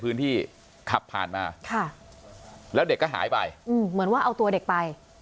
พื้นที่ขับผ่านมาค่ะแล้วเด็กก็หายไปอืมเหมือนว่าเอาตัวเด็กไป